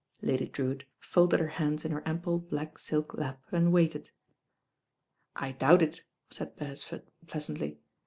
Lady Drewitt folded her hands in her ample black silk lap and waited. "I doubt it," said Beresford pleasantly.